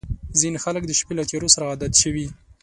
• ځینې خلک د شپې له تیارو سره عادت شوي.